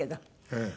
ええ。